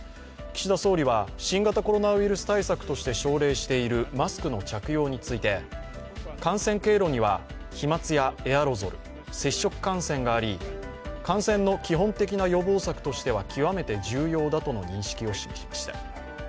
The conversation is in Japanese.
岸田総理は新型コロナウイルス対策として奨励しているマスクの着用について、感染経路には飛まつやエアロゾル接触感染があり感染の基本的な予防策としては極めて重要だとの認識を示しました。